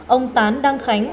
ông tán đăng khánh